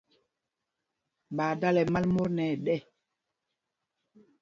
Ɓaa dala ɛmal mot náǎ.